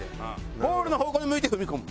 ゴールの方向に向いて踏み込む。